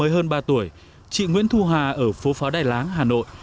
hơn ba tuổi chị nguyễn thu hà ở phố phó đài láng hà nội